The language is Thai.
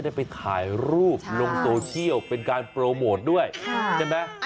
ได้ไปถ่ายรูปลงโทรเที่ยวเป็นการด้วยใช่ไหมอันนี้ก็